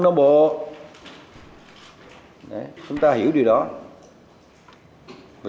không cần cần thiết không cần không cần công proved